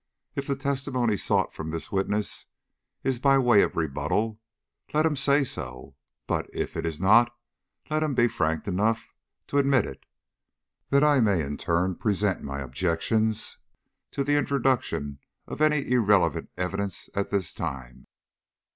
If the testimony sought from this witness is by way of rebuttal, let him say so; but if it is not, let him be frank enough to admit it, that I may in turn present my objections to the introduction of any irrelevant evidence at this time."